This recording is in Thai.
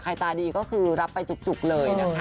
ตาดีก็คือรับไปจุกเลยนะคะ